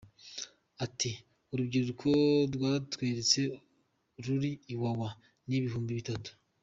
Ati “Urubyiruko watweretse ruri Iwawa ni ibihumbi bitatu.